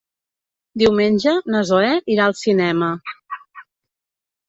Diumenge na Zoè irà al cinema.